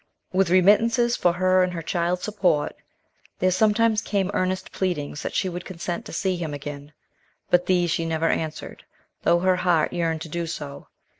With remittances for her and her child's support, there sometimes came earnest pleadings that she would consent to see him again; but these she never answered, though her heart yearned to do so.